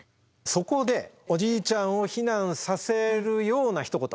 そこでおじいちゃんを避難させるようなひと言。